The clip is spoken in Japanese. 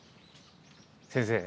先生